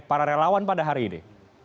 para relawan pada hari ini